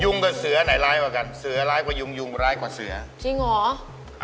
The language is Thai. กว่าเสือไหนร้ายกว่ากันเสือร้ายกว่ายุงยุงร้ายกว่าเสือจริงเหรอ